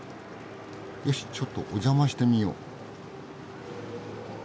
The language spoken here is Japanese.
よしちょっとお邪魔してみよう。